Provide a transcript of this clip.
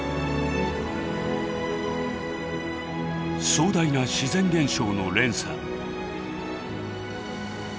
壮大な自然現象の連鎖。